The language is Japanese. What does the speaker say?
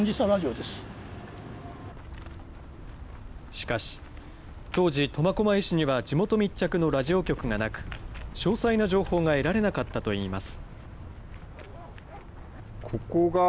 しかし、当時、苫小牧市には地元密着のラジオ局がなく、詳細な情報が得られなかったといいます。